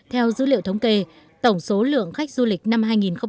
theo dữ liệu thống kê tổng số lượng khách du lịch năm hai nghìn một mươi tám